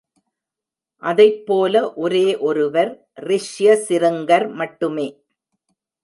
அதைப்போல ஒரே ஒருவர் ரிஷ்யசிருங்கர் மட்டுமே.